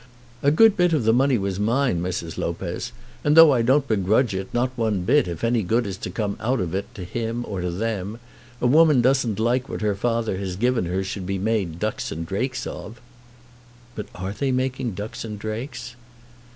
A good bit of the money was mine, Mrs. Lopez; and though I don't begrudge it, not one bit, if any good is to come out of it to him or them, a woman doesn't like what her father has given her should be made ducks and drakes of." "But are they making ducks and drakes?"